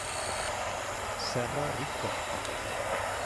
Serra Riccò.